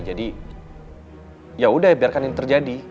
jadi yaudah biarkan ini terjadi